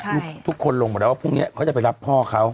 ทุกคนลงมาแล้วว่าพรุ่งนี้เขาจะไปรับพ่อเขา